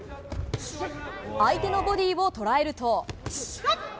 相手のボディーを捉えると。